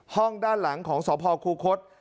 ห้องด้านหลังของสพคูคศ